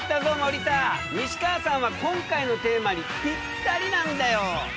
西川さんは今回のテーマにぴったりなんだよ！